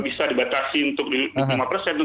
bisa dibatasi untuk di rumah presiden